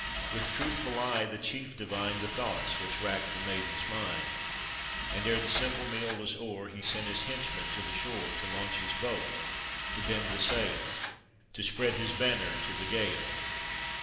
With truthful eye the chief divined The thoughts which racked the maiden's mind, And ere the simple meal was o'er, He sent his henchman to the shore To launch his boat, to bend the sail, To spread his banner to the gale.